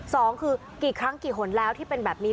สองคือกี่ครั้งกี่หนแล้วที่เป็นแบบนี้